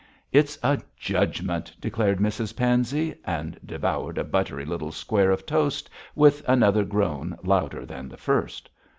'It's a judgment,' declared Mrs Pansey, and devoured a buttery little square of toast with another groan louder than the first.